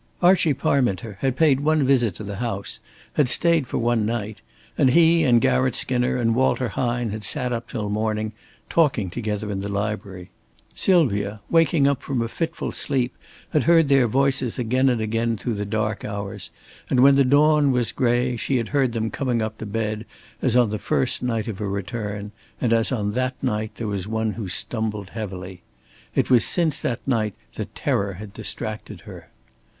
Archie Parminter had paid one visit to the house, had stayed for one night; and he and Garratt Skinner and Walter Hine had sat up till morning, talking together in the library. Sylvia waking up from a fitful sleep, had heard their voices again and again through the dark hours; and when the dawn was gray, she had heard them coming up to bed as on the first night of her return; and as on that night there was one who stumbled heavily. It was since that night that terror had distracted her.